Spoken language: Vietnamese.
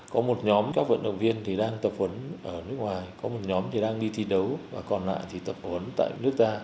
có một nhóm các vận động viên thì đang tập huấn ở nước ngoài có một nhóm thì đang đi thi đấu và còn lại thì tập huấn tại nước ta